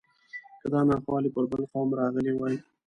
که دا ناخوالې پر بل قوم راغلی وای.